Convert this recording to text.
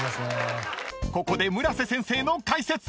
［ここで村瀬先生の解説！］